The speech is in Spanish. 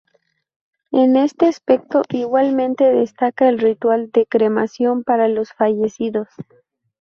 En este aspecto igualmente destaca el ritual de cremación para los fallecidos.